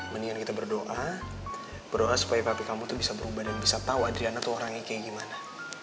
mendingan kita berdoa berdoa supaya kaki kamu tuh bisa berubah dan bisa tahu adriana tuh orangnya kayak gimana